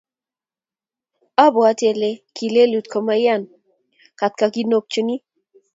obwoti ale ki lelut komaiyan katikonutikchich